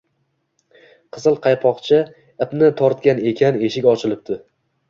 Qizil Qalpoqcha ipni tortgan ekan eshik ochilibdi